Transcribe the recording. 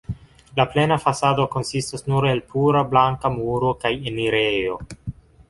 La plena fasado konsistas nur el pura blanka muro kaj enirejo.